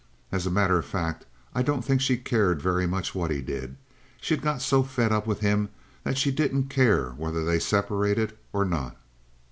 As a matter of fact, I don't think she cared very much what he did. She had got so fed up with him that she didn't care whether they separated or not."